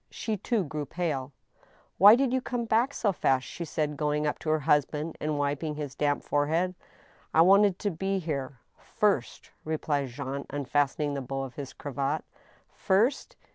She too grew pale. " Why did you come back so fast ?" she said, going up to her husband and wiping his damp forehead. " I wanted to be here ... first," replied Jean, unfastening the bow of his cravat. "First?"